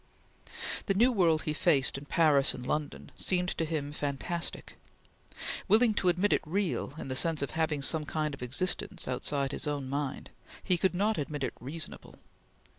The new world he faced in Paris and London seemed to him fantastic. Willing to admit it real in the sense of having some kind of existence outside his own mind, he could not admit it reasonable.